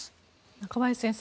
中林先生